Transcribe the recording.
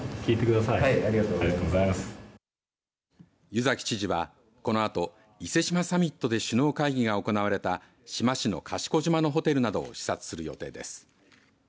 湯崎知事は、このあと伊勢志摩サミットで首脳会議が行われた志摩市の賢島のホテルなどを視察する予定です。